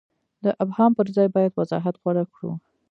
د ابهام پر ځای باید وضاحت غوره کړو.